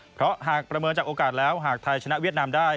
เพราะหากประเมินจากโอกาสแล้วหากไทยชนะเวียดนามได้